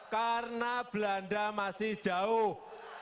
karena belanda masih jauh